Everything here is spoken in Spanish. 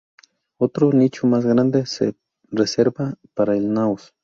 Otro nicho más grande se reservaba para el naos.